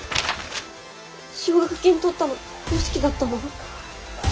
奨学金取ったの良樹だったの？